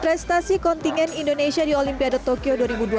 prestasi kontingen indonesia di olimpiade tokyo dua ribu dua puluh